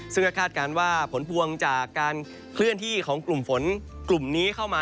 ซึ่งก็คาดการณ์ว่าผลพวงจากการเคลื่อนที่ของกลุ่มฝนกลุ่มนี้เข้ามา